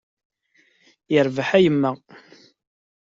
Yerbeḥ a yemma.